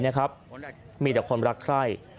มีเดี๋ยวคนรักใคร